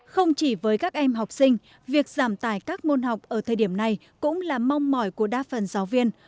không chỉ với các em học sinh việc giảm tải các môn học ở thời điểm này cũng là mong mỏi của đa phần giáo viên